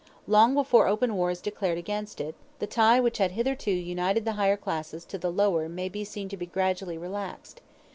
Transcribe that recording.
Long before open war is declared against it, the tie which had hitherto united the higher classes to the lower may be seen to be gradually relaxed.